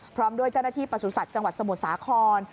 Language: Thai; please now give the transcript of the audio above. พร้อมด้วยเจ้าหน้าที่ประสุทธิ์จังหวัดสมุทรสาคร